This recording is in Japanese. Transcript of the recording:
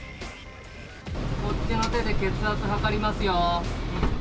こっちの手で血圧、測りますよ。